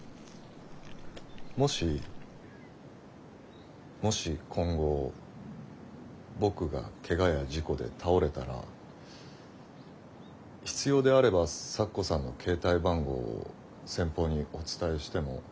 もしもし今後僕がケガや事故で倒れたら必要であれば咲子さんの携帯番号を先方にお伝えしても。